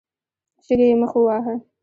شګې يې مخ وواهه.